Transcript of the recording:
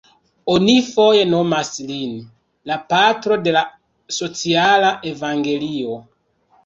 Oni foje nomas lin "la Patro de la Sociala Evangelio".